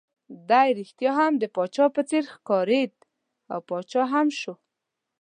دی ريښتیا هم د پاچا په څېر ښکارېد، او پاچا هم شو.